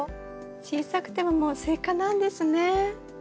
小さくてももうスイカなんですね。